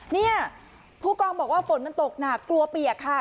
เนี่ยผู้กองบอกว่าฝนมันตกหนักกลัวเปียกค่ะ